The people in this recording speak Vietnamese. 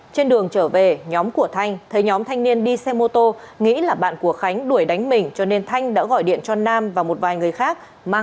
trên đường trở về nhóm của thanh thấy nhóm thanh niên đi xe mô tô nghĩ là bạn của khánh đuổi đánh mình cho nên thanh đã gọi điện cho nam và một vài người khác